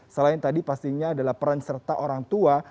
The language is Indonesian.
selain tadi pastinya adalah peran serta orang tua